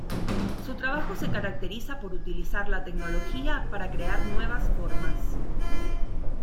Su trabajo se caracteriza por utilizar la tecnología para crear nuevas formas.